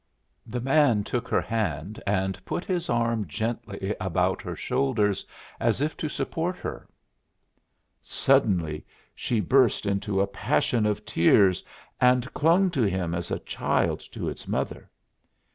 The man took her hand and put his arm gently about her shoulders, as if to support her. Suddenly she burst into a passion of tears and clung to him as a child to its mother.